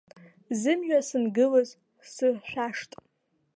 Зымҩа сангылаз сыршәашт.